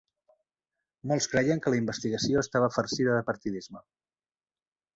Molts creien que la investigació estava farcida de partidisme.